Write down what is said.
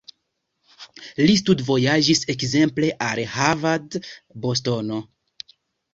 Li studvojaĝis ekzemple al Harvard, Bostono.